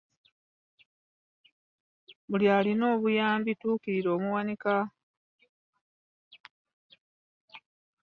Buli alina obuyambi tuukirira omuwanika.